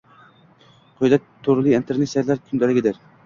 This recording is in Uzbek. Quyida turli internet saytlar kundaligidir.